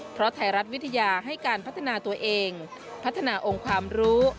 เพราะไทยรัฐวิทยาให้การพัฒนาตัวเองพัฒนาองค์ความรู้